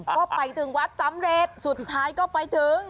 ก็ไปถึงวัดสำเร็จสุดท้ายก็ไปถึง